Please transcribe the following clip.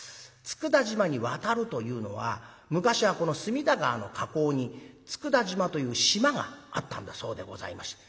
「佃島に渡る」というのは昔はこの隅田川の河口に佃島という島があったんだそうでございまして。